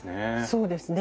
そうですね。